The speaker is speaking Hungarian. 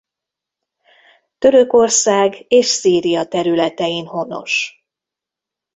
Törökország és Szíria területein honos.